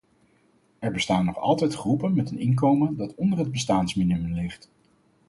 Er bestaan nog altijd groepen met een inkomen dat onder het bestaansminimum ligt.